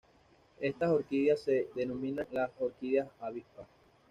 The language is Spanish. Estas orquídeas se denominan las "Orquídeas avispa".